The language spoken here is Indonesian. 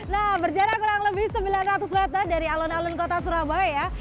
nah berjarak kurang lebih sembilan ratus meter dari alun alun kota surabaya